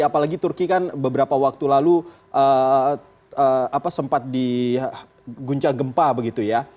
apalagi turki kan beberapa waktu lalu sempat diguncang gempa begitu ya